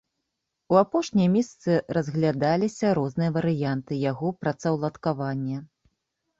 У апошнія месяцы разглядаліся розныя варыянты яго працаўладкавання.